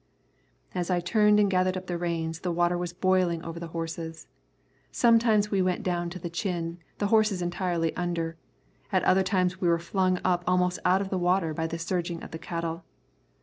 As I turned and gathered up the reins, the water was boiling over the horses. Sometimes we went down to the chin, the horses entirely under; at other times we were flung up almost out of the water by the surging of the cattle.